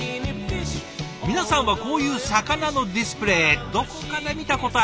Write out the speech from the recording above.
皆さんはこういう魚のディスプレーどこかで見たことありません？